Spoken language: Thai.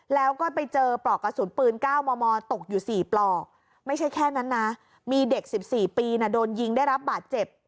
แล้วก็ไปเจอปลอกกระสุนปืน๙มมตกอยู่๔ปลอกไม่ใช่แค่นั้นนะมีเด็ก๑๔ปีโดนยิงได้รับบาดเจ็บ